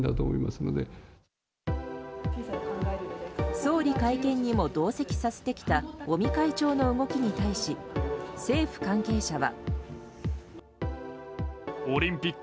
総理会見にも同席させてきた尾身会長の動きに対し政府関係者は。